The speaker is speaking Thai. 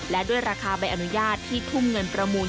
และด้วยราคาใบอนุญาตที่ทุ่มเงินประมูล